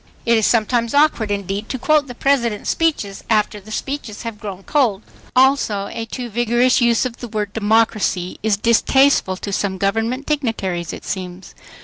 It is sometimes awkward indeed to quote the President's speeches after the speeches have "grown cold." Also a too vigorous use of the word "democracy" is distasteful to some government dignitaries, it seems.